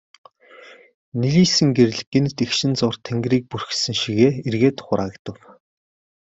Нэлийсэн гэрэл гэнэт эгшин зуур тэнгэрийг бүрхсэн шигээ эргээд хураагдав.